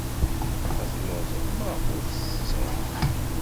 Ma telluẓed, maɣef ur tettetted?